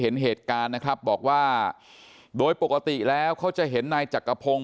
เห็นเหตุการณ์นะครับบอกว่าโดยปกติแล้วเขาจะเห็นนายจักรพงศ